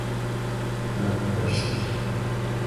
لاکپشت 🐢